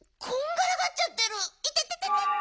いてててて。